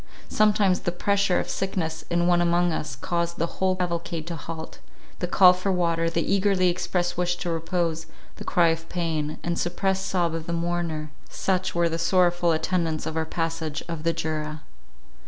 Sometimes the pressure of sickness in one among us, caused the whole cavalcade to halt; the call for water, the eagerly expressed wish to repose; the cry of pain, and suppressed sob of the mourner—such were the sorrowful attendants of our passage of the Jura.